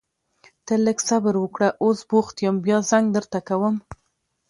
ته لږ صبر وکړه، اوس بوخت يم بيا زنګ درته کوم.